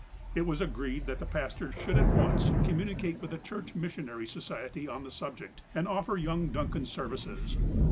It was agreed that the pastor should at once communi cate with the Church Missionary Society on the subject, and offer young Duncan's services.